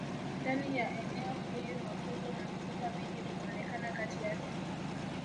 Ndani ya eneo hili mafuvu na mifupa mingi vimeonekana kati yake